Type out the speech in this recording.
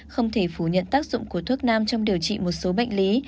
không thể phủ nhận tác dụng của thuốc nam trong điều trị một số bệnh lý